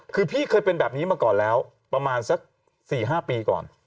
คือพี่เคยเป็นแบบนี้มาก่อนแล้วประมาณสัก๔๕ปีก่อน